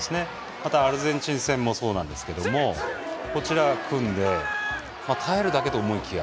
また、アルゼンチン戦もそうなんですけどこちら、組んで耐えるだけと思いきや